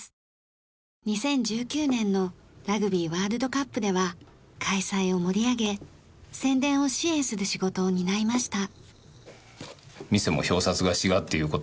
２０１９年のラグビーワールドカップでは開催を盛り上げ宣伝を支援する仕事を担いました。